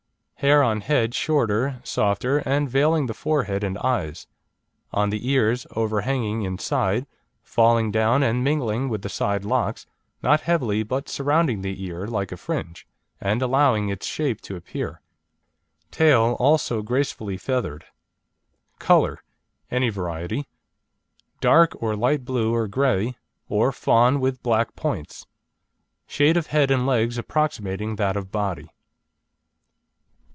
Hair on head, shorter, softer, and veiling the forehead and eyes; on the ears, overhanging inside, falling down and mingling with the side locks, not heavily, but surrounding the ear like a fringe, and allowing its shape to appear. Tail also gracefully feathered. COLOUR (ANY VARIETY) Dark or light blue or grey, or fawn with black points. Shade of head and legs approximating that of body.